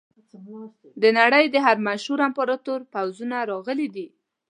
د نړۍ د هر مشهور امپراتور پوځونه راغلي دي.